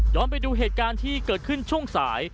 ไปดูเหตุการณ์ที่เกิดขึ้นช่วงสาย